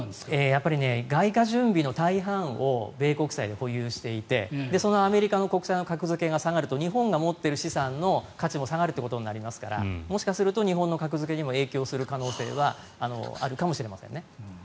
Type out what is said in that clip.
やっぱり外貨準備の大半を米国債で保有していてそのアメリカの国債の格付けが下がると日本が持っている資産の価値も下がるということになりますからもしかすると日本の格付けにも影響する可能性はあるかもしれませんね。